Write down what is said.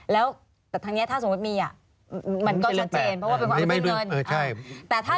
แล้วแต่ทั้งเนี้ยถ้าสมมติมีอ่ะ